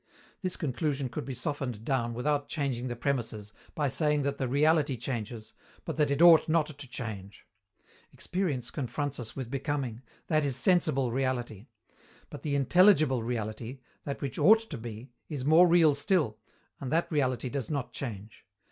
This conclusion could be softened down without changing the premisses, by saying that the reality changes, but that it ought not to change. Experience confronts us with becoming: that is sensible reality. But the intelligible reality, that which ought to be, is more real still, and that reality does not change.